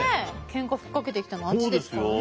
ケンカ吹っかけてきたのはあっちですからね。